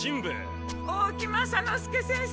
大木雅之助先生